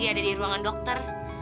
dia udah kembali ke ruang dokter